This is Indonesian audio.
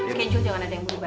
schedule jangan ada yang berubah